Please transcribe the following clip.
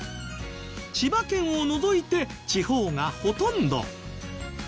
千葉県を除いて地方がほとんど。